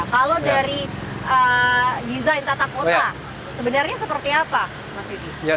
kalau dari desain tata kota sebenarnya seperti apa mas yudi